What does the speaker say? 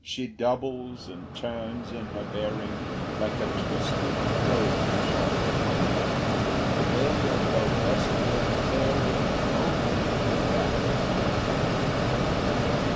She doubles and turns in her bearing, Like a twisting plover she goes; The way of her westward faring Only the captain knows.